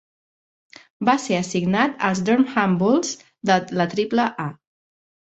Va ser assignat als Durham Bulls de la Triple-A.